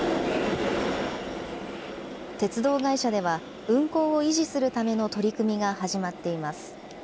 鉄道会社では、運行を維持するための取り組みが始まっています。